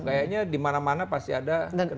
kayaknya di mana mana pasti ada kedai kopi kan